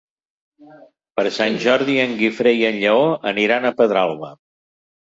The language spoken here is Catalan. Per Sant Jordi en Guifré i en Lleó aniran a Pedralba.